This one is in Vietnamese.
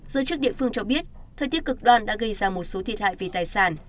giới chức địa phương cho biết thời tiết cực đoan đã gây ra một số thiệt hại về tài sản